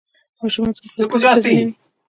ماشومان زموږ راتلونکی تضمینوي.